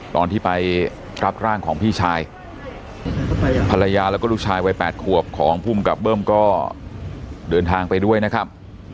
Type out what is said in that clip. ตอนที่ไปรับร่างของพี่ชายภรรยาแล้วก็ลูกชายวัย๘ขวบของภูมิกับเบิ้มก็เดินทางไปด้วยนะครับ